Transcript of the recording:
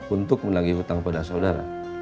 untuk menagih hutang pada saudara